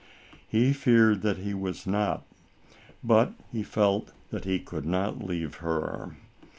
He feared that he was not, but he felt that he could not leave her.